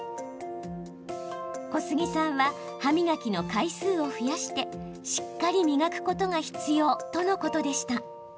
小杉さんは歯磨きの回数を増やしてしっかり磨くことが必要とのことでした。